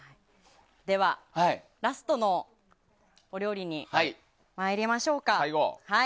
ではラストのお料理に参りましょうか。